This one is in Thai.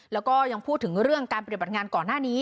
แล้วก็ยังพูดถึงเรื่องการปฏิบัติงานก่อนหน้านี้